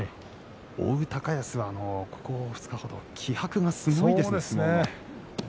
追う高安はここ２日程、気迫がすごいですね。